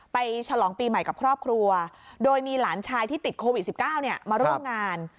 ฉลองปีใหม่กับครอบครัวโดยมีหลานชายที่ติดโควิด๑๙มาร่วมงาน